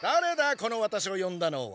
このワタシを呼んだのは。